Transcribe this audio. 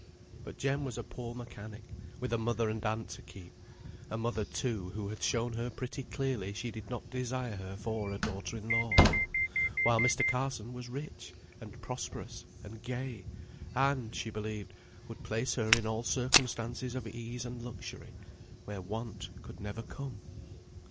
But Jem was a poor mechanic, with a mother and aunt to keep; a mother, too, who had shown her pretty clearly she did not desire her for a daughter in law: while Mr. Carson was rich, and prosperous, and gay, and (she believed) would place her in all circumstances of ease and luxury, where want could never come.